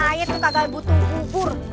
ayo tuh kakak butuh bubur